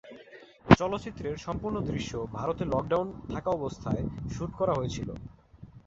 চলচ্চিত্রের সম্পূর্ণ দৃশ্য ভারতে লকডাউন থাকাবস্থায় শ্যুট করা হয়েছিল।